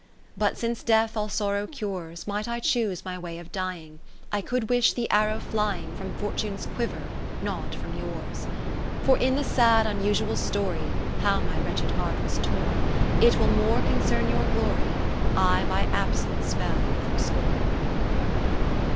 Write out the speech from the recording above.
II But since Death all sorrow cures, Might I choose my way of dying, lo I could wish the arrow flying From Fortune's quiver, not from yours. For in the sad unusual story How my wretched heart was torn, It will more concern your glory, I by absence fell than scorn.